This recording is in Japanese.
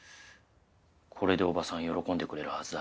これで伯母さん喜んでくれるはずだ。